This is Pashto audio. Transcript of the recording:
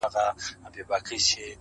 ورباندي وځړوې،